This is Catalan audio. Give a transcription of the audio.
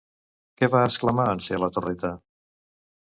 Què va exclamar en ser a la torreta?